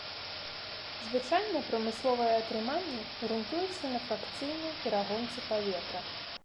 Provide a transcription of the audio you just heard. Звычайна прамысловае атрыманне грунтуецца на фракцыйнай перагонцы паветра.